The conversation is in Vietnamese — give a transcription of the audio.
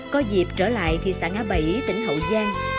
có dịp trở lại thị xã ngã bảy tỉnh hậu giang